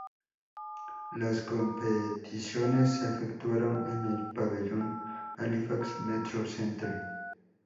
Las competiciones se efectuaron en el pabellón Halifax Metro Centre.